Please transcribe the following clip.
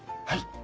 はい。